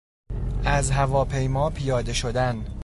از هواپیما پیاده شدن